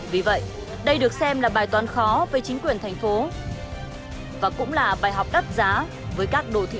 vì vậy đây được xem là bài toán khó với chính quyền thành phố và cũng là bài học đắt giá với các đồ thị